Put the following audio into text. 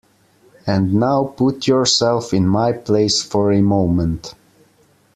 And now put yourself in my place for a moment.